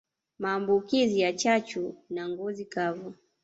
Maambukizi ya chachu na ngozi kavu